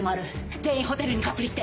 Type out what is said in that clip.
全員ホテルに隔離して。